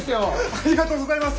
ありがとうございます！